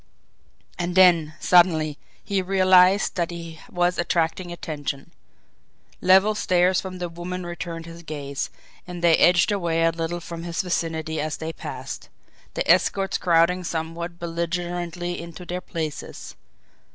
And then, suddenly, he realised that he was attracting attention. Level stares from the women returned his gaze, and they edged away a little from his vicinity as they passed, their escorts crowding somewhat belligerently into their places.